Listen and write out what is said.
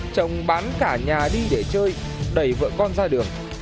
chồng bán cả nhà đi để chơi đẩy vợ con ra đường